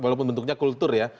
walaupun bentuknya kultur ya